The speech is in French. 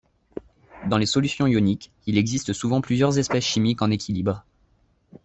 Dans les solutions ioniques, il existe souvent plusieurs espèces chimiques en équilibre.